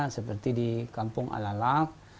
seperti di kampung alalak